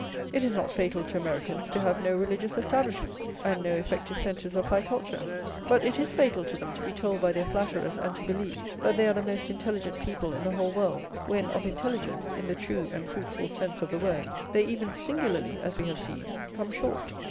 It is not fatal to Americans to have no religious establishments and no effective centres of high culture; but it is fatal to them to be told by their flatterers, and to believe, that they are the most intelligent people in the whole world, when of intelligence, in the true and fruitful sense of the word, they even singularly, as we have seen, come short.